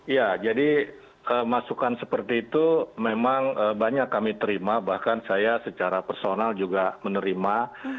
ya jadi kemasukan seperti itu memang banyak kami terima bahkan saya secara personal juga menerima